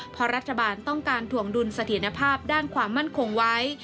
เพราะรัฐบาลต้องการถ่วงดุลเสถียรภาพด้านความมั่นคงไว้